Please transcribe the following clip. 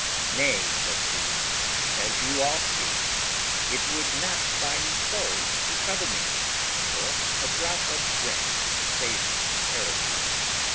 Nay," says he, "as you all see, it would not buy me clothes to cover me, or a drop of drink to save me from perishing.